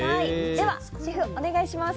ではシェフ、お願いします。